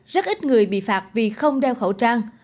rất ít người bị phạt vì không đeo khẩu trang